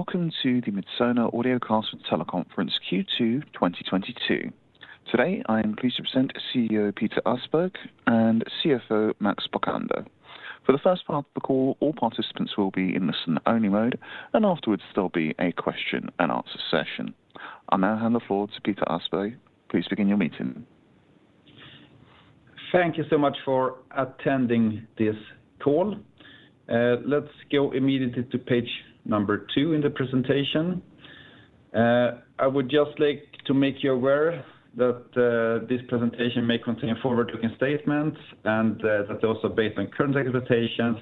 Welcome to the Midsona Audiocast Teleconference Q2 2022. Today, I am pleased to present CEO Peter Åsberg and CFO Max Bokander. For the first part of the call, all participants will be in listen-only mode, and afterwards there'll be a question and answer session. I'll now hand the floor to Peter Åsberg. Please begin your meeting. Thank you so much for attending this call. Let's go immediately to page number two in the presentation. I would just like to make you aware that this presentation may contain forward-looking statements and that those are based on current expectations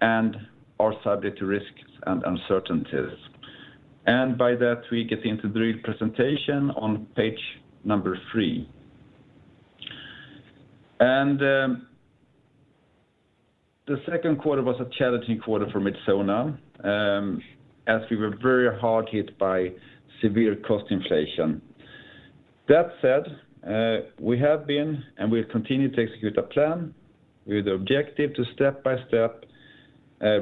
and are subject to risks and uncertainties. By that, we get into the real presentation on page number three. The second quarter was a challenging quarter for Midsona as we were very hard hit by severe cost inflation. That said, we have been, and we've continued to execute a plan with the objective to step-by-step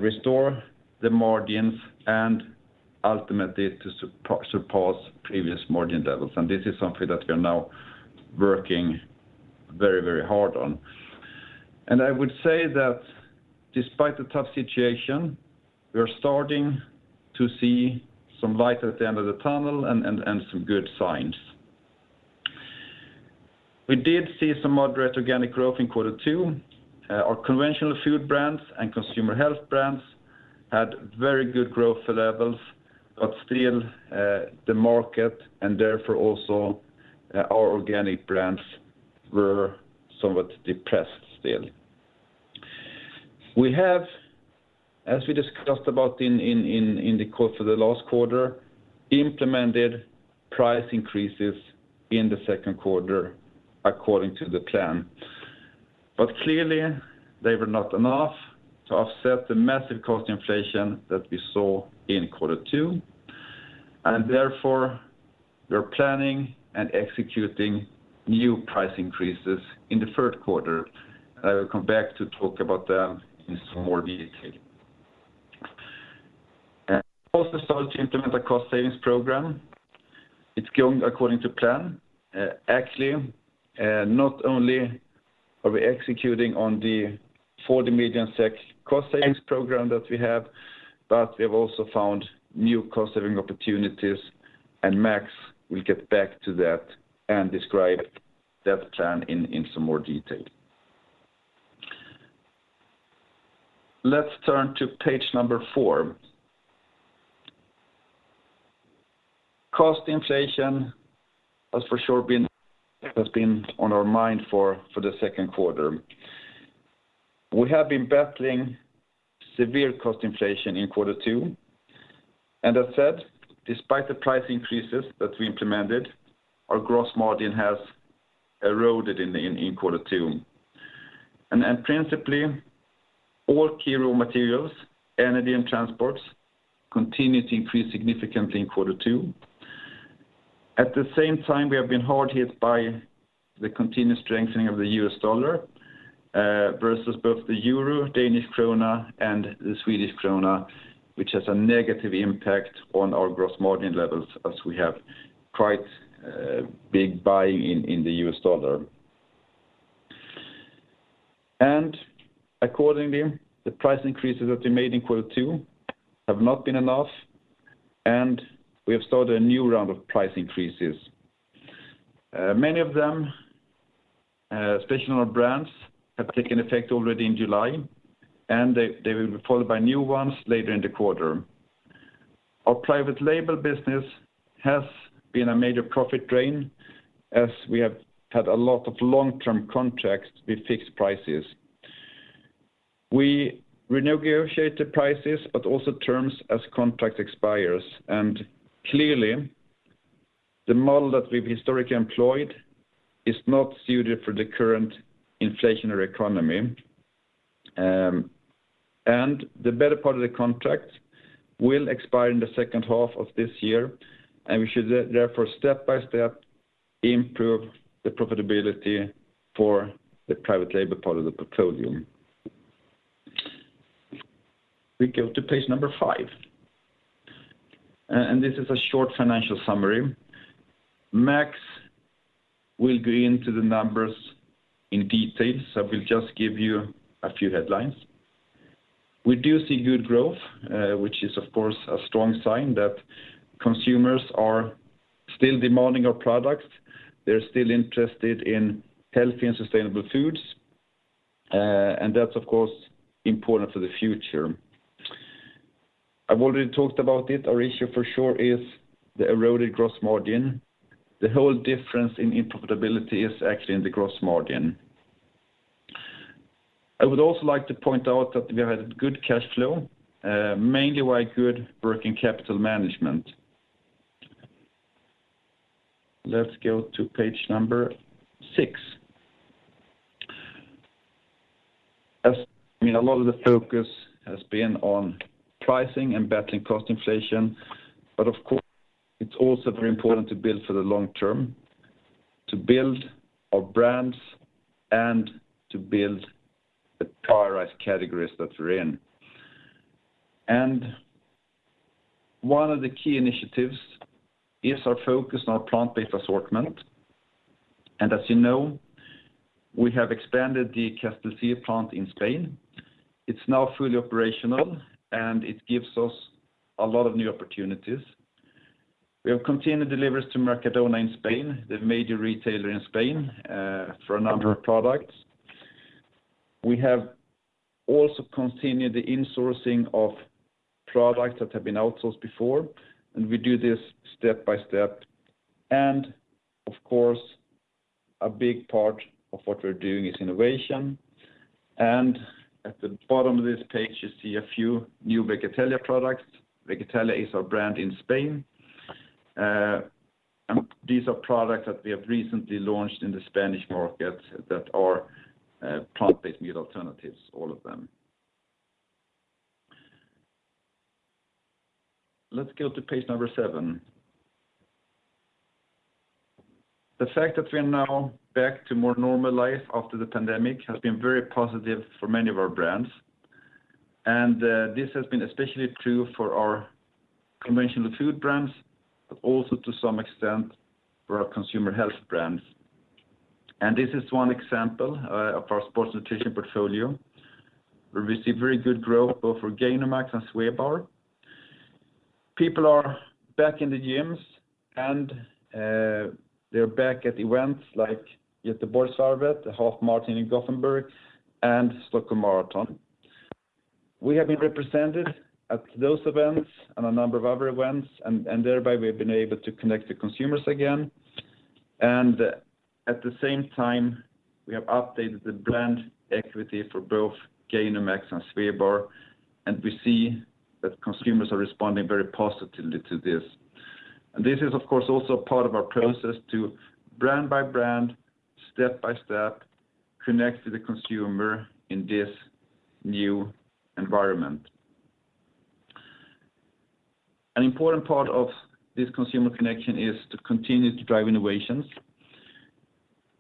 restore the margins and ultimately to surpass previous margin levels. This is something that we are now working very, very hard on. I would say that despite the tough situation, we are starting to see some light at the end of the tunnel and some good signs. We did see some moderate organic growth in quarter two. Our conventional food brands and consumer health brands had very good growth levels, but still, the market and therefore also our organic brands were somewhat depressed still. We have, as we discussed about in the course of the last quarter, implemented price increases in the second quarter according to the plan. Clearly, they were not enough to offset the massive cost inflation that we saw in quarter two, and therefore we are planning and executing new price increases in the third quarter. I will come back to talk about them in some more detail. We also started to implement a cost savings program. It's going according to plan. Actually, not only are we executing on the 40 million SEK cost savings program that we have, but we have also found new cost-saving opportunities, and Max will get back to that and describe that plan in some more detail. Let's turn to page number four. Cost inflation has for sure been on our mind for the second quarter. We have been battling severe cost inflation in quarter two. As said, despite the price increases that we implemented, our gross margin has eroded in quarter two. Principally, all key raw materials, energy and transports continued to increase significantly in quarter two. At the same time, we have been hard hit by the continued strengthening of the U.S. dollar versus both the euro, Danish krona, and the Swedish krona, which has a negative impact on our gross margin levels as we have quite big buying in the U.S. dollar. Accordingly, the price increases that we made in quarter two have not been enough, and we have started a new round of price increases. Many of them, especially on our brands, have taken effect already in July, and they will be followed by new ones later in the quarter. Our private label business has been a major profit drain as we have had a lot of long-term contracts with fixed prices. We renegotiate the prices, but also terms as contract expires. Clearly, the model that we've historically employed is not suited for the current inflationary economy. The better part of the contract will expire in the second half of this year, and we should therefore step-by-step improve the profitability for the private label part of the portfolio. We go to page number five. This is a short financial summary. Max will go into the numbers in detail, so I will just give you a few headlines. We do see good growth, which is of course a strong sign that consumers are still demanding our products. They're still interested in healthy and sustainable foods. That's of course important for the future. I've already talked about it. Our issue for sure is the eroded gross margin. The whole difference in profitability is actually in the gross margin. I would also like to point out that we had good cash flow, mainly by good working capital management. Let's go to page number six. As you know, a lot of the focus has been on pricing and battling cost inflation, but of course, it's also very important to build for the long term. To build our brands and to build the prioritized categories that we're in. One of the key initiatives is our focus on our plant-based assortment. As you know, we have expanded the Castellcir plant in Spain. It's now fully operational, and it gives us a lot of new opportunities. We have continued deliveries to Mercadona in Spain, the major retailer in Spain, for a number of products. We have also continued the insourcing of products that have been outsourced before, and we do this step by step. Of course, a big part of what we're doing is innovation. At the bottom of this page, you see a few new Vegetalia products. Vegetalia is our brand in Spain. These are products that we have recently launched in the Spanish market that are plant-based meat alternatives, all of them. Let's go to page number seven. The fact that we are now back to more normal life after the pandemic has been very positive for many of our brands. This has been especially true for our conventional food brands, but also to some extent for our consumer health brands. This is one example of our sports nutrition portfolio, where we see very good growth both for Gainomax and Swebar. People are back in the gyms and they're back at events like Göteborgsvarvet, the Half Marathon in Gothenburg, and Stockholm Marathon. We have been represented at those events and a number of other events and thereby we have been able to connect to consumers again. At the same time, we have updated the brand equity for both Gainomax and Swebar, and we see that consumers are responding very positively to this. This is, of course, also part of our process to brand by brand, step by step, connect to the consumer in this new environment. An important part of this consumer connection is to continue to drive innovations.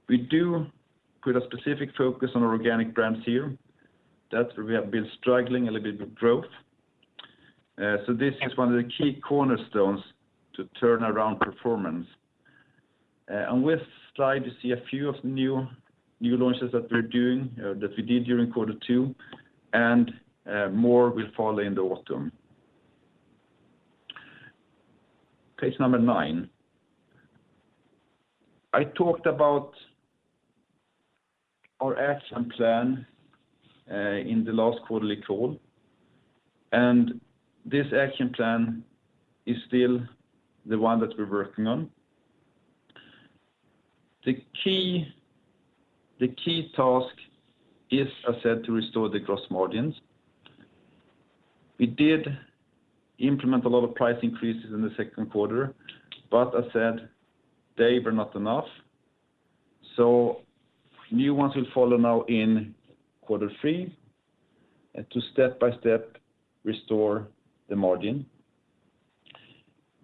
We do put a specific focus on our organic brands here that we have been struggling a little bit with growth. This is one of the key cornerstones to turn around performance. With slide, you see a few new launches that we did during quarter two, and more will follow in the autumn. Page number nine. I talked about our action plan in the last quarterly call, and this action plan is still the one that we're working on. The key task is, I said, to restore the gross margins. We did implement a lot of price increases in the second quarter, but I said they were not enough. New ones will follow now in quarter three to step by step restore the margin.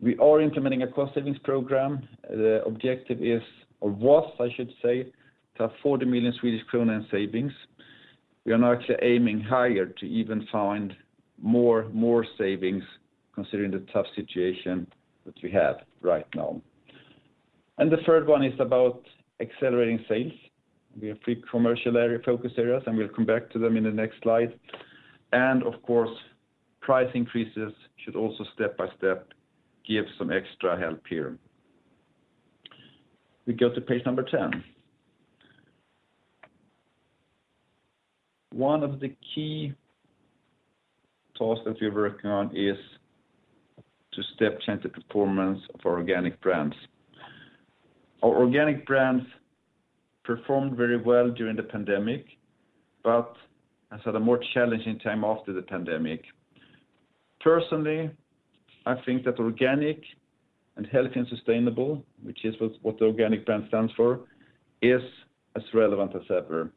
We are implementing a cost savings program. The objective is, or was, I should say, to have 40 million Swedish kronor in savings. We are now actually aiming higher to even find more savings considering the tough situation that we have right now. The third one is about accelerating sales. We have three commercial focus areas, and we'll come back to them in the next slide. Of course, price increases should also step by step give some extra help here. We go to page number 10. One of the key tasks that we're working on is to step change the performance of our organic brands. Our organic brands performed very well during the pandemic, but has had a more challenging time after the pandemic. Personally, I think that organic and healthy and sustainable, which is what the organic brand stands for, is as relevant as ever.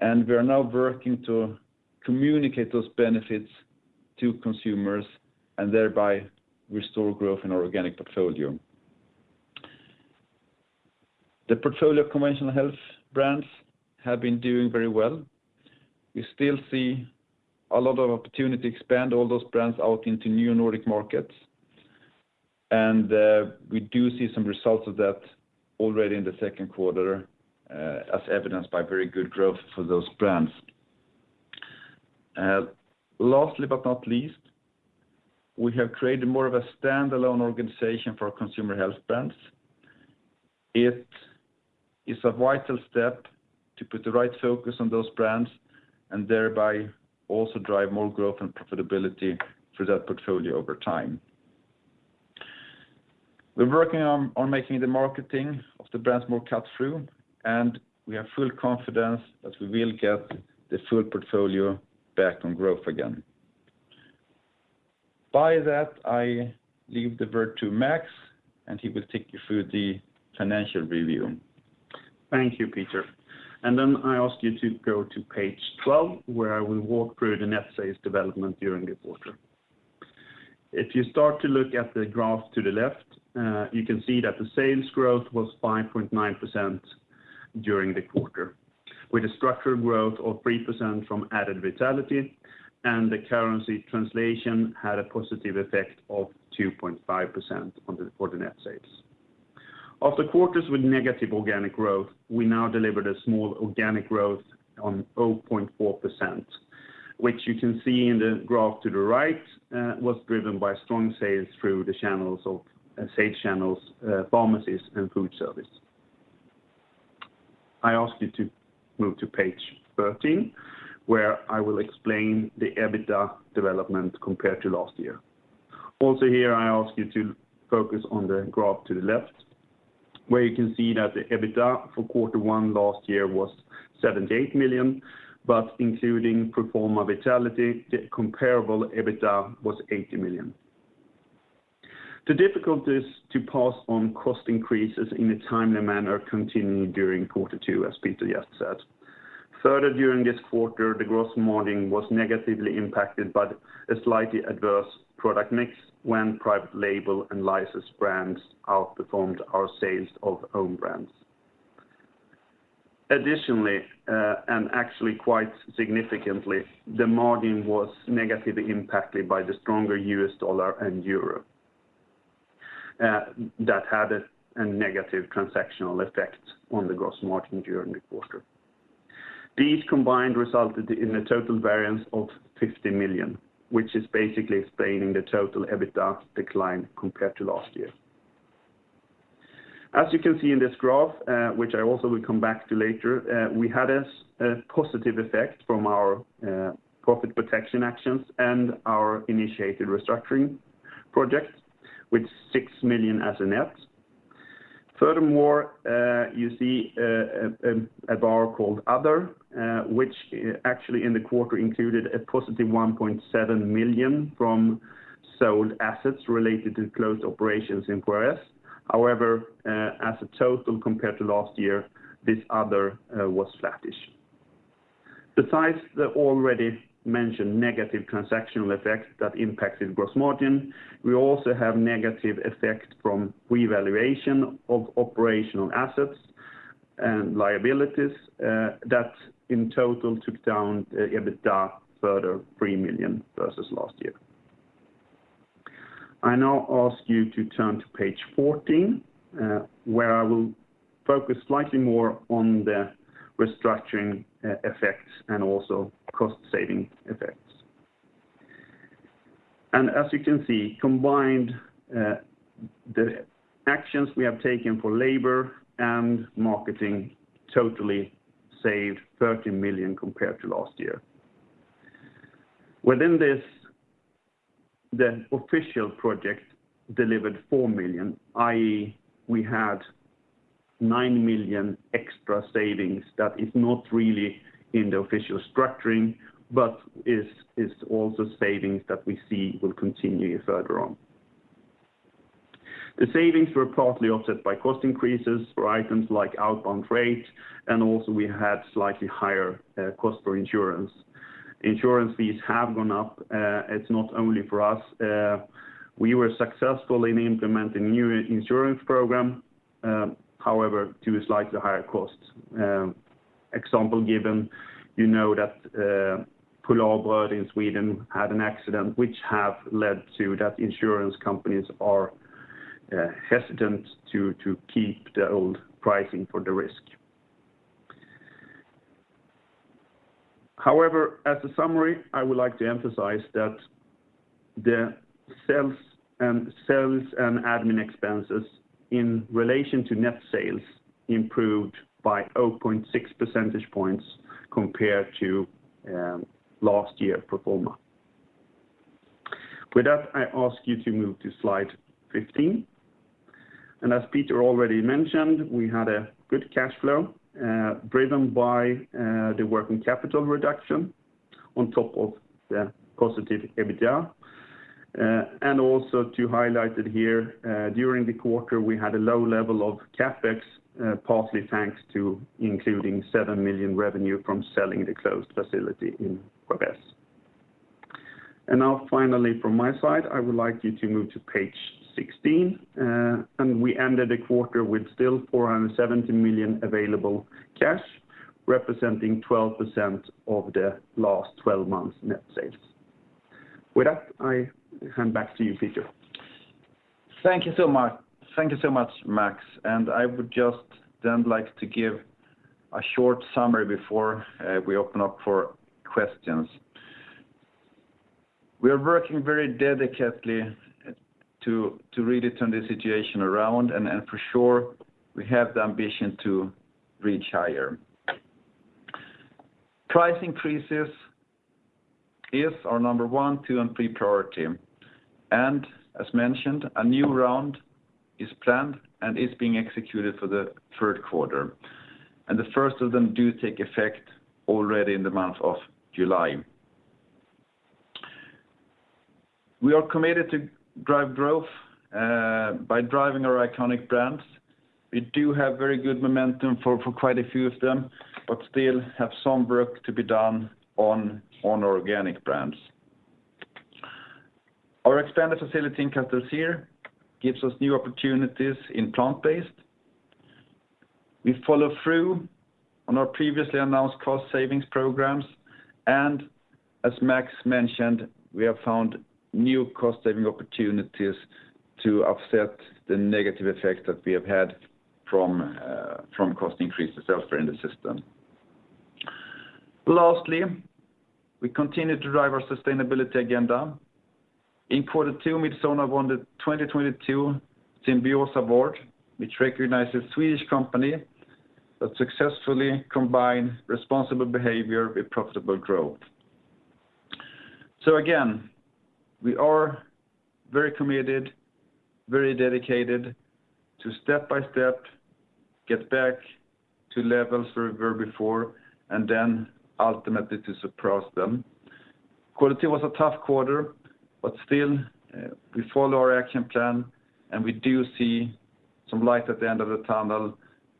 We are now working to communicate those benefits to consumers and thereby restore growth in our organic portfolio. The portfolio of conventional health brands have been doing very well. We still see a lot of opportunity to expand all those brands out into new Nordic markets. We do see some results of that already in the second quarter, as evidenced by very good growth for those brands. Lastly but not least, we have created more of a standalone organization for our consumer health brands. It is a vital step to put the right focus on those brands and thereby also drive more growth and profitability for that portfolio over time. We're working on making the marketing of the brands more cut through, and we have full confidence that we will get the full portfolio back on growth again. By that, I leave the word to Max, and he will take you through the financial review. Thank you, Peter. I ask you to go to page 12, where I will walk through the net sales development during the quarter. If you start to look at the graph to the left, you can see that the sales growth was 5.9% during the quarter, with a structured growth of 3% from added Vitality, and the currency translation had a positive effect of 2.5% on the net sales. Of the quarters with negative organic growth, we now delivered a small organic growth of 0.4%, which you can see in the graph to the right, was driven by strong sales through the sales channels, pharmacies and food service. I ask you to move to page 13, where I will explain the EBITDA development compared to last year. Also here, I ask you to focus on the graph to the left, where you can see that the EBITDA for quarter one last year was 78 million, but including pro forma Vitality, the comparable EBITDA was 80 million. The difficulties to pass on cost increases in a timely manner continued during quarter two, as Peter Åsberg just said. Further during this quarter, the gross margin was negatively impacted by the slightly adverse product mix when private label and licensed brands outperformed our sales of own brands. Additionally, and actually quite significantly, the margin was negatively impacted by the stronger US dollar and euro, that had a negative transactional effect on the gross margin during the quarter. These combined resulted in a total variance of 50 million, which is basically explaining the total EBITDA decline compared to last year. As you can see in this graph, which I also will come back to later, we had a positive effect from our profit protection actions and our initiated restructuring project with SEK 6 million as a net. Furthermore, you see a bar called Other, which actually in the quarter included a positive 1.7 million from sold assets related to closed operations in Qares. However, as a total compared to last year, this Other was flattish. Besides the already mentioned negative transactional effects that impacted gross margin, we also have negative effect from revaluation of operational assets and liabilities that in total took down the EBITDA further 3 million versus last year. I now ask you to turn to page 14, where I will focus slightly more on the restructuring effects and also cost-saving effects. As you can see, combined, the actions we have taken for labor and marketing totally saved 13 million compared to last year. Within this, the official project delivered 4 million, i.e. we had 9 million extra savings that is not really in the official structuring, but is also savings that we see will continue further on. The savings were partly offset by cost increases for items like outbound freight, and also we had slightly higher cost for insurance. Insurance fees have gone up. It's not only for us. We were successful in implementing new insurance program, however, to a slightly higher cost. For example, Paulúns in Sweden had an accident which have led to that insurance companies are hesitant to keep the old pricing for the risk. However, as a summary, I would like to emphasize that the sales and admin expenses in relation to net sales improved by 0.6 percentage points compared to last year pro forma. With that, I ask you to move to slide 15. As Peter already mentioned, we had a good cash flow driven by the working capital reduction on top of the positive EBITDA. Also to highlight it here, during the quarter, we had a low level of CapEx, partly thanks to 7 million revenue from selling the closed facility in Qares. Now finally from my side, I would like you to move to page 16. We ended the quarter with still 470 million available cash, representing 12% of the last twelve months net sales. With that, I hand back to you, Peter Åsberg. Thank you so much, Max. I would just then like to give a short summary before we open up for questions. We are working very delicately to really turn the situation around, and for sure we have the ambition to reach higher. Price increases is our number one, two, and three priority. As mentioned, a new round is planned and is being executed for the third quarter. The first of them do take effect already in the month of July. We are committed to drive growth by driving our iconic brands. We do have very good momentum for quite a few of them, but still have some work to be done on organic brands. Our expanded facility in Castellcir here gives us new opportunities in plant-based. We follow through on our previously announced cost savings programs, and as Max mentioned, we have found new cost-saving opportunities to offset the negative effects that we have had from cost increases elsewhere in the system. Lastly, we continue to drive our sustainability agenda. In quarter two, Midsona won the 2022 Symbios award, which recognizes Swedish company that successfully combine responsible behavior with profitable growth. Again, we are very committed, very dedicated to step-by-step get back to levels where we were before and then ultimately to surpass them. Quarter two was a tough quarter, but still, we follow our action plan, and we do see some light at the end of the tunnel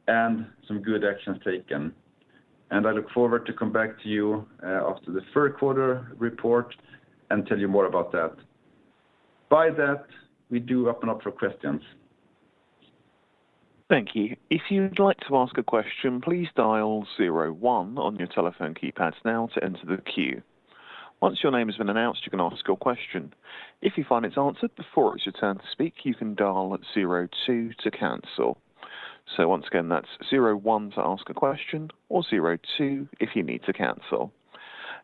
and some good actions taken. I look forward to come back to you, after the third quarter report and tell you more about that. By that, we do open up for questions. Thank you. If you'd like to ask a question, please dial zero one on your telephone keypads now to enter the queue. Once your name has been announced, you can ask your question. If you find it's answered before it's your turn to speak, you can dial zero two to cancel. Once again, that's zero one to ask a question or zero two if you need to cancel.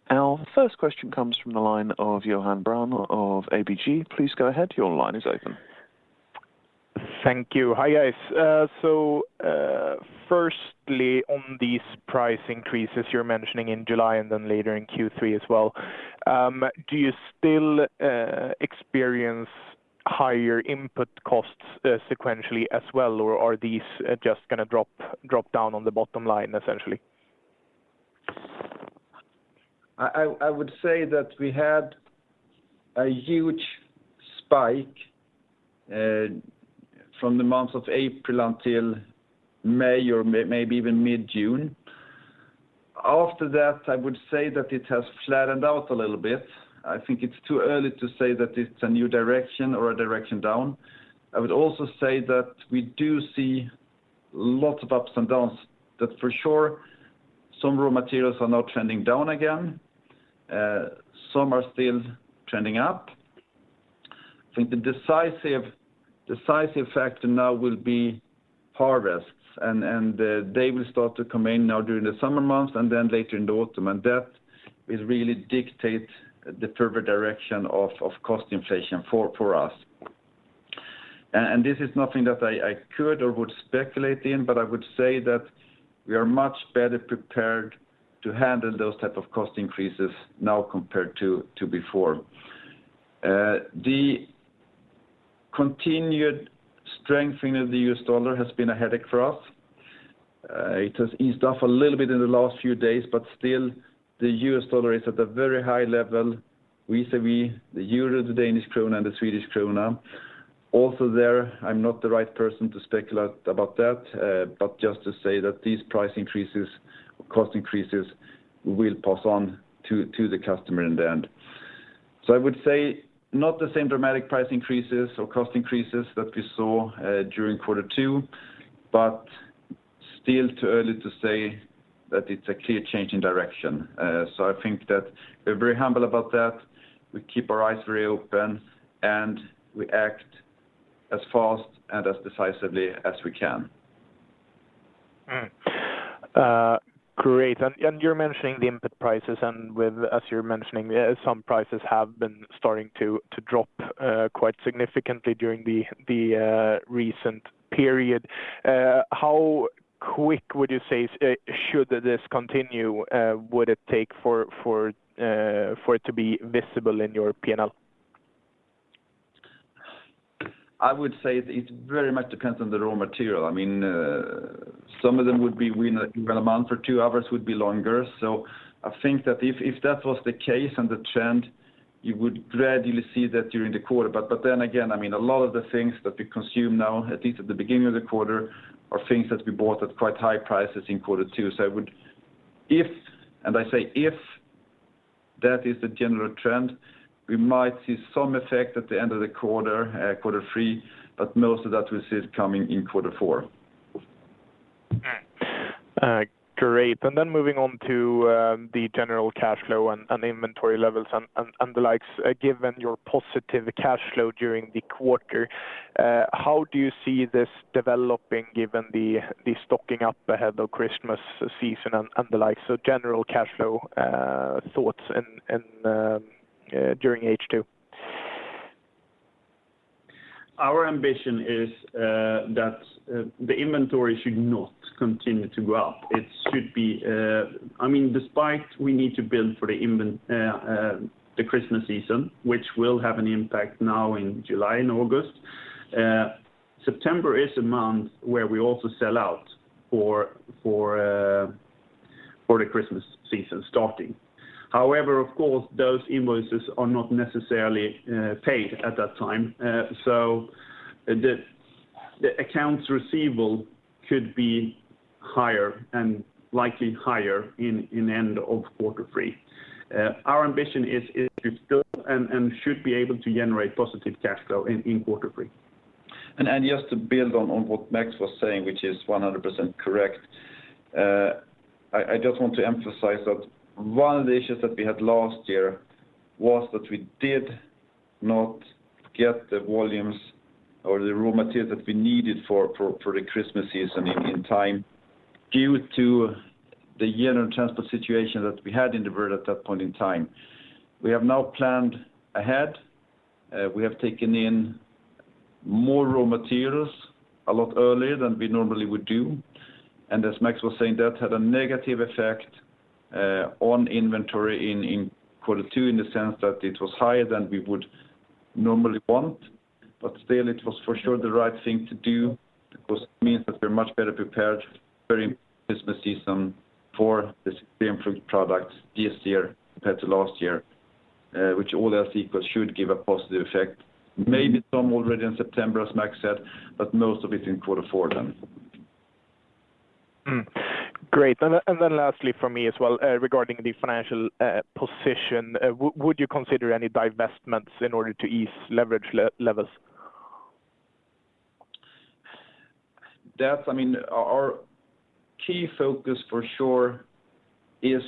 Our first question comes from the line of Johan Braun of ABG. Please go ahead. Your line is open. Thank you. Hi, guys. Firstly, on these price increases you're mentioning in July and then later in Q3 as well, do you still experience higher input costs, sequentially as well, or are these just gonna drop down on the bottom line, essentially? I would say that we had a huge spike from the months of April until May or maybe even mid-June. After that, I would say that it has flattened out a little bit. I think it's too early to say that it's a new direction or a direction down. I would also say that we do see lots of ups and downs. That for sure, some raw materials are now trending down again. Some are still trending up. I think the decisive factor now will be harvests and they will start to come in now during the summer months and then later in the autumn. That is really dictate the further direction of cost inflation for us. This is nothing that I could or would speculate in, but I would say that we are much better prepared to handle those type of cost increases now compared to before. The continued strengthening of the U.S. dollar has been a headache for us. It has eased off a little bit in the last few days, but still the U.S. dollar is at a very high level vis-a-vis the euro, the Danish krona, and the Swedish krona. Also there, I am not the right person to speculate about that, but just to say that these price increases or cost increases will pass on to the customer in the end. I would say not the same dramatic price increases or cost increases that we saw during quarter two, but still too early to say that it is a clear change in direction. I think that we're very humble about that. We keep our eyes very open, and we act as fast and as decisively as we can. Great. You're mentioning the input prices and with, as you're mentioning, some prices have been starting to drop quite significantly during the recent period. How quick would you say should this continue would it take for it to be visible in your P&L? I would say it very much depends on the raw material. I mean, some of them would be within a month or two, others would be longer. I think that if that was the case and the trend, you would gradually see that during the quarter. Then again, I mean, a lot of the things that we consume now, at least at the beginning of the quarter, are things that we bought at quite high prices in quarter two. If, and I say if that is the general trend, we might see some effect at the end of the quarter three, but most of that we see it coming in quarter four. Great. Moving on to the general cash flow and inventory levels and the likes. Given your positive cash flow during the quarter, how do you see this developing given the stocking up ahead of Christmas season and the like? General cash flow thoughts during H2. Our ambition is that the inventory should not continue to go up. It should be, I mean, despite we need to build for the Christmas season, which will have an impact now in July and August. September is a month where we also sell out for the Christmas season starting. However, of course, those invoices are not necessarily paid at that time. The accounts receivable could be higher and likely higher in end of quarter three. Our ambition is to still and should be able to generate positive cash flow in quarter three. Just to build on what Max was saying, which is 100% correct. I just want to emphasize that one of the issues that we had last year was that we did not get the volumes or the raw material that we needed for the Christmas season in time due to the general transport situation that we had in the world at that point in time. We have now planned ahead. We have taken in more raw materials a lot earlier than we normally would do. As Max was saying, that had a negative effect on inventory in quarter two, in the sense that it was higher than we would normally want. Still, it was for sure the right thing to do because it means that we're much better prepared for the Christmas season for the premium fruit product this year compared to last year, which all else equal should give a positive effect. Maybe some already in September, as Max said, but most of it in quarter four then. Great. Lastly from me as well, regarding the financial position, would you consider any divestments in order to ease leverage levels? I mean, our key focus for sure is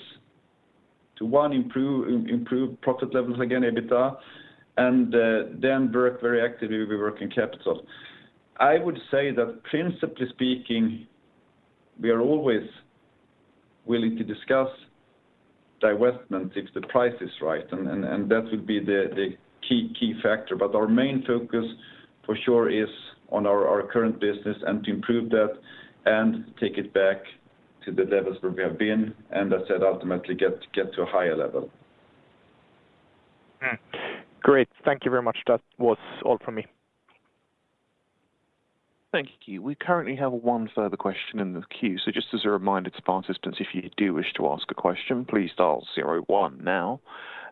to one, improve profit levels again, EBITDA, and then work very actively with working capital. I would say that principally speaking, we are always willing to discuss divestment if the price is right, and that would be the key factor. Our main focus for sure is on our current business and to improve that and take it back to the levels where we have been, and as said, ultimately get to a higher level. Great. Thank you very much. That was all from me. Thank you. We currently have one further question in the queue. Just as a reminder to participants, if you do wish to ask a question, please dial zero one now.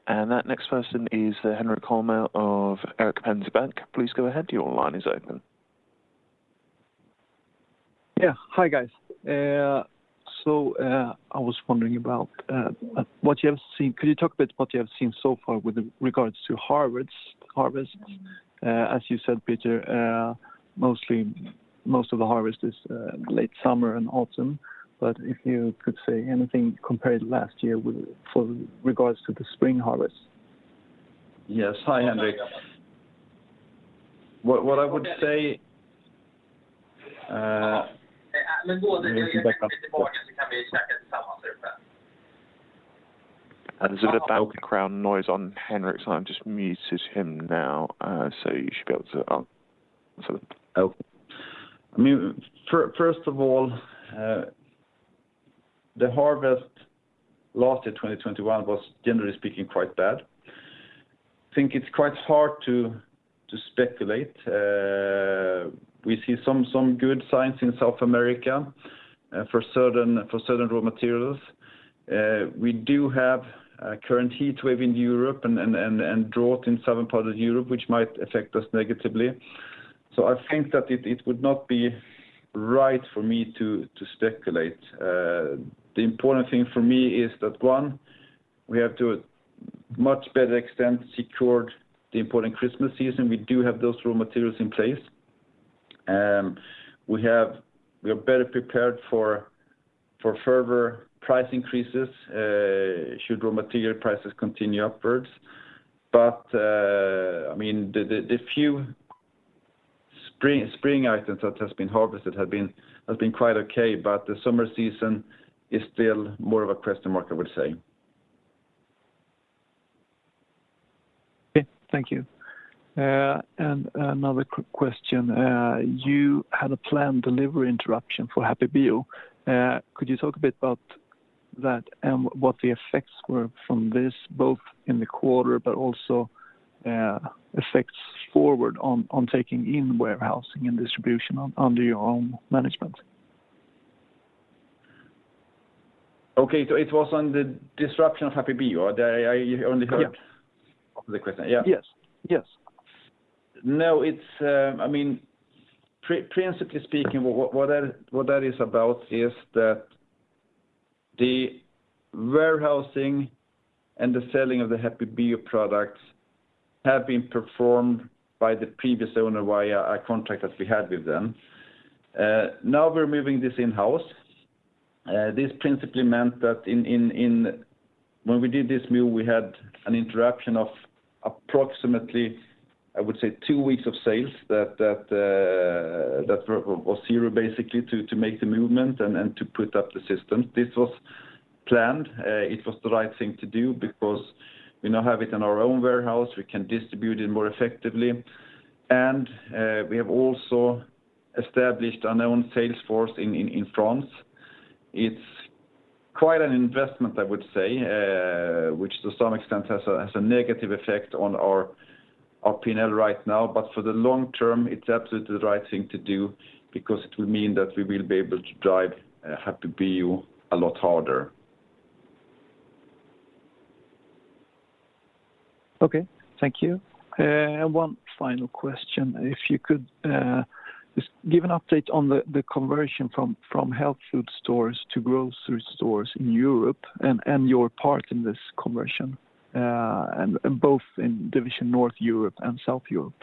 That next person is Henrik Holmer of Erik Penser Bank. Please go ahead. Your line is open. Yeah. Hi, guys. I was wondering about what you have seen. Could you talk a bit about what you have seen so far with regards to harvests? As you said, Peter, most of the harvest is late summer and autumn. If you could say anything compared to last year with regards to the spring harvests. Yes. Hi, Henrik. What I would say? There's a bit of background noise on Henrik's line. Just muted him now, so you should be able to. I mean, first of all, the harvest last year, 2021, was generally speaking quite bad. I think it's quite hard to speculate. We see some good signs in South America for certain raw materials. We do have a current heatwave in Europe and drought in southern part of Europe, which might affect us negatively. I think that it would not be right for me to speculate. The important thing for me is that, one, we have to a much better extent secured the important Christmas season. We do have those raw materials in place. We are better prepared for further price increases should raw material prices continue upwards. I mean, the few spring items that has been harvested have been quite okay, but the summer season is still more of a question mark, I would say. Okay. Thank you. Another quick question. You had a planned delivery interruption for Happy Bio. Could you talk a bit about that and what the effects were from this, both in the quarter but also effects forward on taking in warehousing and distribution under your own management? Okay. It was on the disruption of Happy Bio. I only heard. Yeah of the question. Yeah. Yes. Yes. No, it's principally speaking, what that is about is that the warehousing and the selling of the Happy Bio products have been performed by the previous owner via a contract that we had with them. Now we're moving this in-house. This principally meant that when we did this move, we had an interruption of approximately, I would say, two weeks of sales that were zero basically to make the movement and to put up the systems. This was planned. It was the right thing to do because we now have it in our own warehouse. We can distribute it more effectively. We have also established our own sales force in France. It's quite an investment, I would say, which to some extent has a negative effect on our P&L right now, but for the long term, it's absolutely the right thing to do because it will mean that we will be able to drive Happy Bio a lot harder. Okay. Thank you. One final question. If you could just give an update on the conversion from health food stores to grocery stores in Europe and your part in this conversion, and both in division North Europe and South Europe?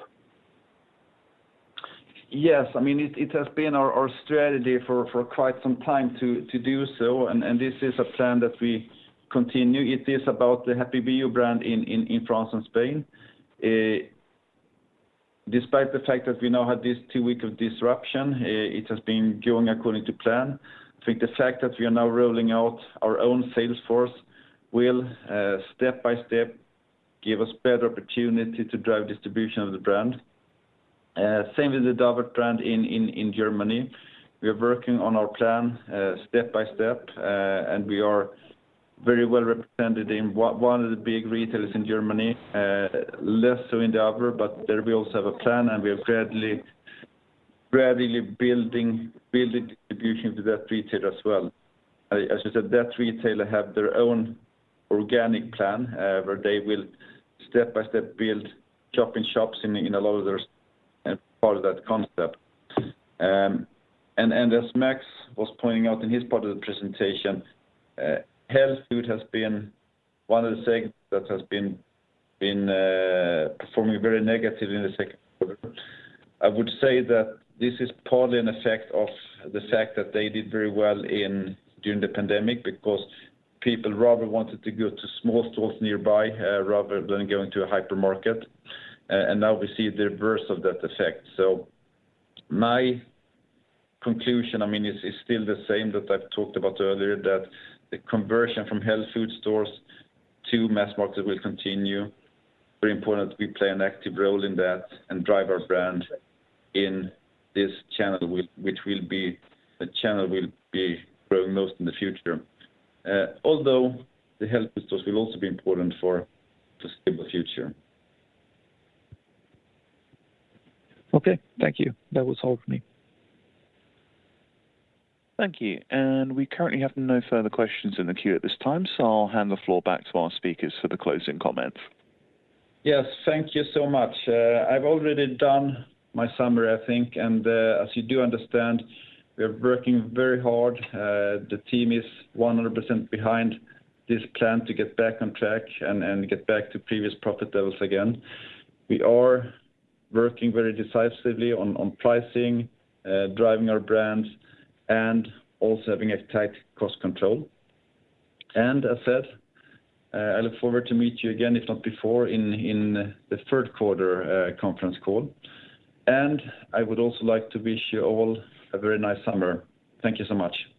Yes. I mean, it has been our strategy for quite some time to do so, and this is a plan that we continue. It is about the Happy Bio brand in France and Spain. Despite the fact that we now have this two-week of disruption, it has been going according to plan. I think the fact that we are now rolling out our own sales force will step by step give us better opportunity to drive distribution of the brand. Same with the Davert brand in Germany. We are working on our plan step by step. We are very well represented in one of the big retailers in Germany, less so in the other, but there we also have a plan, and we are gradually building distribution to that retailer as well. As I said, that retailer have their own organic plan, where they will step by step build shop-in-shops in a lot of their part of that concept. As Max was pointing out in his part of the presentation, health food has been one of the segments that has been performing very negatively in the second quarter. I would say that this is partly an effect of the fact that they did very well during the pandemic because people rather wanted to go to small stores nearby, rather than going to a hypermarket. Now we see the reverse of that effect. My conclusion, I mean, is still the same that I've talked about earlier, that the conversion from health food stores to mass market will continue. Very important we play an active role in that and drive our brand in this channel which will be a channel we'll be growing most in the future. Although the health food stores will also be important for foreseeable future. Okay. Thank you. That was all for me. Thank you. We currently have no further questions in the queue at this time, so I'll hand the floor back to our speakers for the closing comments. Yes. Thank you so much. I've already done my summary, I think. As you do understand, we are working very hard. The team is 100% behind this plan to get back on track and get back to previous profit levels again. We are working very decisively on pricing, driving our brands, and also having a tight cost control. As said, I look forward to meet you again, if not before, in the third quarter conference call. I would also like to wish you all a very nice summer. Thank you so much.